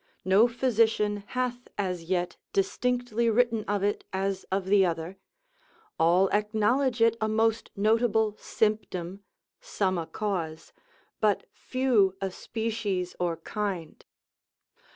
No physician hath as yet distinctly written of it as of the other; all acknowledge it a most notable symptom, some a cause, but few a species or kind.